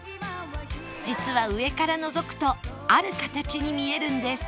実は上からのぞくとある形に見えるんです